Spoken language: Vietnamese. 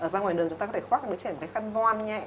ra ngoài đường chúng ta có thể khoác đứa trẻ một cái khăn voan nhẹ